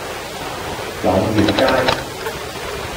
朗月街